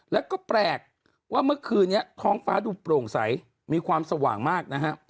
แล้วก็แปลกว่าเมื่อคืนนี้ท้องฟ้าดูโปร่งใสมีความสว่างมากนะฮะ